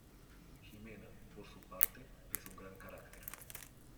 Jimena, por su parte, es un gran carácter.